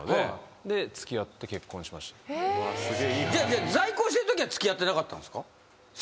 じゃあ在校してるときは付き合ってなかったんですか？